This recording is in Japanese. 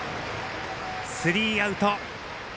スリーアウト。